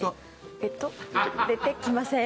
えっと、出てきません。